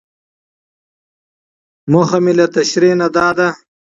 موخه مې له تشريحي نه دا ده.